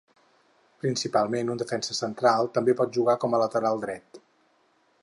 Principalment un defensa central, també pot jugar com a lateral dret.